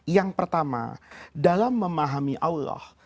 yang pertama dalam memahami allah